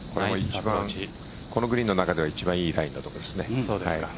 このグリーンの中では一番いいラインですね。